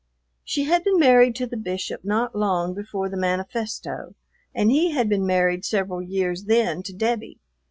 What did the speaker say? She had been married to the Bishop not long before the manifesto, and he had been married several years then to Debbie.